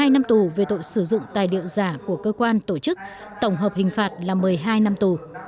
hai năm tù về tội sử dụng tài điệu giả của cơ quan tổ chức tổng hợp hình phạt là một mươi hai năm tù